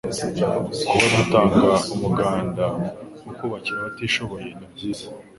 kuba dutanga umuganda wo kubakira abatishoboye nibyiza